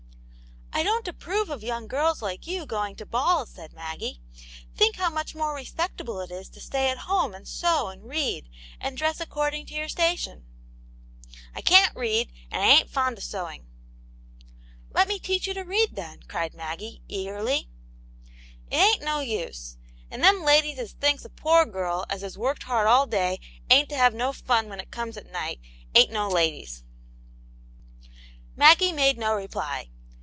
" I don't approve of young girls like you going to balls," said Maggie. "Think how much more re spectable it is to stay at home and sew and read, and dress according to your station." V I can't read, and I ain't fond of sewing." " Let me teach you to read, then !" cried Maggie, eagerly. " It ain't no use. And them ladies as thinks a poor girl as has worked hard all day ain't to have no fun when it comes at night ain't no ladies." Maggie made no reply.